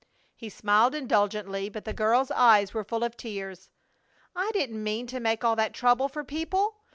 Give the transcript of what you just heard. He smiled indulgently, but the girl's eyes were full of tears. "I didn't mean to make all that trouble for people.